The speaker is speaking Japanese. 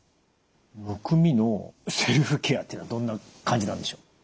むくみのセルフケアっていうのはどんな感じなんでしょう？